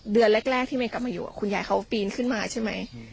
เดือนแรกที่เมย์กลับมาอยู่คุณยายเขาปีนขึ้นมาใช่ไหม